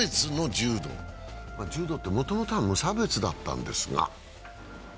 柔道ってもともとは無差別だったんですが。